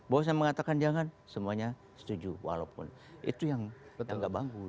bosnya mengatakan jangan semuanya setuju walaupun itu yang tidak bagus